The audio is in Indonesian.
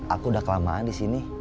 aku udah kelamaan di sini